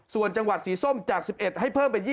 ส่วนจังหวัดสีส้มจาก๑๑ให้เพิ่มเป็น๒๐